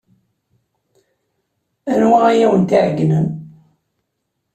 Anwa ay awent-iɛeyynen?